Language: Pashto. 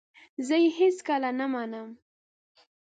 زه یې هیڅکله نه منم !